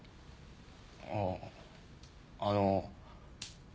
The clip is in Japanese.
ああの。